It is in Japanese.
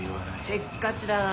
せっかちだなぁ。